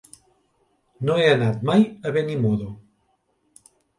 No he anat mai a Benimodo.